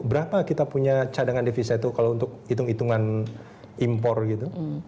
berapa kita punya cadangan devisa itu kalau untuk hitung hitungan impor gitu